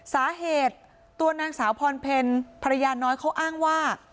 สาเหตุตัวนางสาวพรเพลภรรยาน้อยเขาอ้างว่า